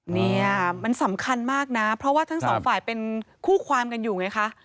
เนี่ยมันสำคัญมากนะเพราะว่าทั้งสองฝ่ายเป็นคู่ความกันอยู่ไงคะ